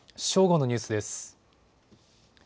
正午のニュースです。